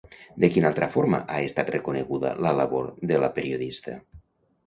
De quina altra forma ha estat reconeguda la labor de la periodista?